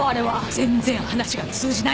全然話が通じない。